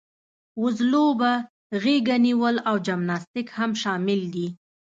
وزلوبه، غېږه نیول او جمناسټیک هم شامل دي.